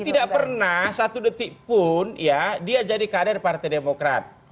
tidak pernah satu detik pun ya dia jadi kader partai demokrat